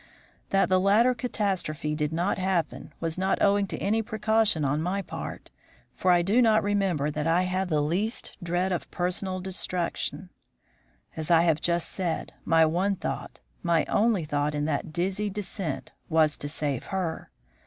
That the latter catastrophe did not happen was not owing to any precaution on my part, for I do not remember that I had the least dread of personal destruction. As I have just said, my one thought, my only thought in that dizzy descent, was to save her.